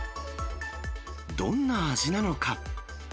どんな味なのか。